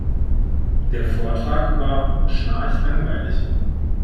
Der Vortrag war schnarchlangweilig.